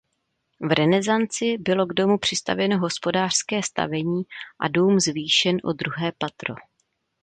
V renesanci bylo k domu přistavěno hospodářské stavení a dům zvýšen o druhé patro.